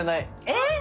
えっ！